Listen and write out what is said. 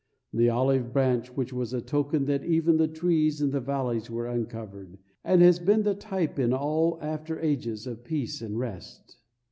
The olive branch was a token that even the trees in the valleys were uncovered, and has been the type in all after ages of peace and rest.